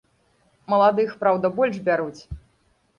Маладых, праўда, больш бяруць.